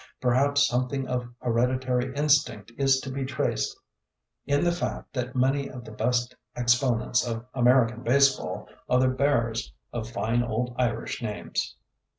Perhaps something of hereditary instinct is to be traced in the fact that many of the best exponents of American baseball are the bearers of fine old Irish names.